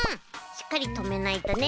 しっかりとめないとね。